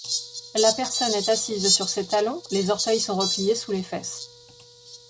La personne est assise sur ses talons, les orteils sont repliés sous les fesses.